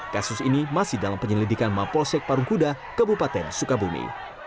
kasus ini masih dalam penyelidikan mapol sekparungkuda kebupaten sukabumi